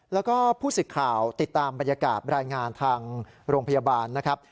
แล้วก็ผู้สื่อข่าวติดตามบรรยากาศรายงานทางโรงพยาบาลนะครับ